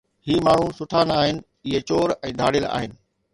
هي ماڻهو سٺا نه آهن، اهي چور ۽ ڌاڙيل آهن.